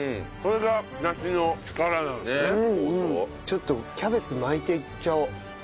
ちょっとキャベツ巻いていっちゃおう。